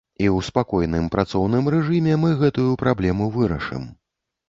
І ў спакойным, працоўным рэжыме мы гэтую праблему вырашым.